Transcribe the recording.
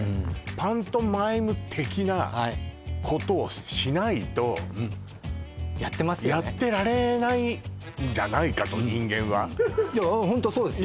パントマイム的なことをしないとやってられないんじゃないかと人間はホントそうですよ